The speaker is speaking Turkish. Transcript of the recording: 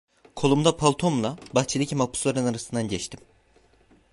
Kolumda paltomla bahçedeki mahpusların arasından geçtim.